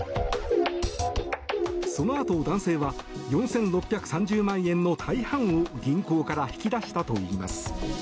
そのあと、男性は４６３０万円の大半を銀行から引き出したといいます。